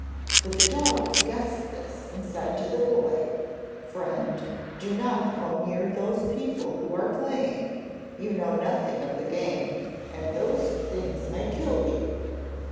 But the dog guessed this, and said to the boy: 'Friend, do not go near those people who are playing. You know nothing of the game, and those things may kill you.'